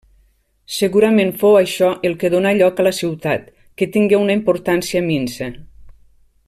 Segurament fou això el que donà lloc a la ciutat, que tingué una importància minsa.